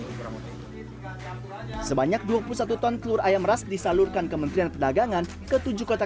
sebanyak dua puluh satu ton telur ayam ras disalurkan kementerian perdagangan ke tujuh kota